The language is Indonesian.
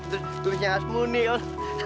terus tulisnya asmunil